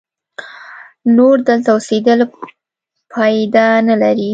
نور دلته اوسېدل پایده نه لري.